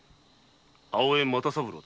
青江又三郎だ。